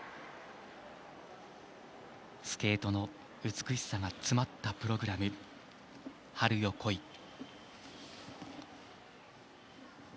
スケートの美しさが詰まったプログラム「春よ、来い」。